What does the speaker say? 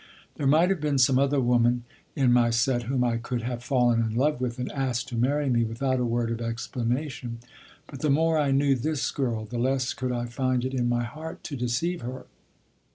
There might have been some other woman in my set whom I could have fallen in love with and asked to marry me without a word of explanation; but the more I knew this girl, the less could I find it in my heart to deceive her.